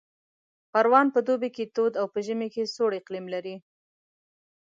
پروان په دوبي کې تود او په ژمي کې سوړ اقلیم لري